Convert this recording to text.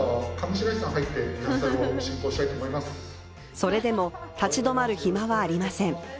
それでも立ち止まる暇はありません。